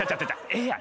ええやん。